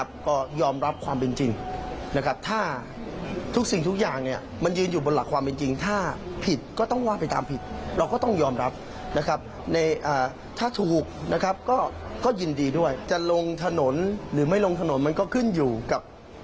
ผมว่าประเทศชาติเป็นอย่างไรเอาลองฟังเขาแล้วกันค่ะ